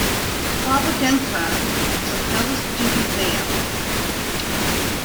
Bob Odenkirk was a fellow student there.